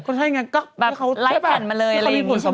ก็ได้ไงเค้าไลท์แผ่นมาเลยอะไรนี้ใช่ไหม